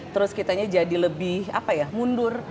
terus kitanya jadi lebih apa ya mundur